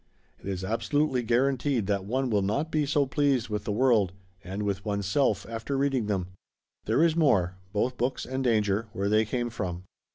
It is absolutely guaranteed that one will not be so pleased with the world and with one's self after reading them. There is more both books and danger where they came from."